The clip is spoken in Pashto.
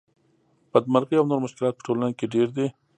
بدمرغۍ او نور مشکلات په ټولنه کې ډېر دي